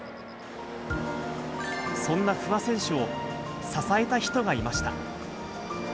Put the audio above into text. そんな不破選手を支えた人がいました。